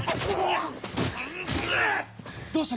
どうした？